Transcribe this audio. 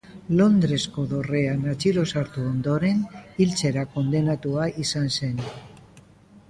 Londresko dorrean atxilo sartu ondoren hiltzera kondenatua izan zen.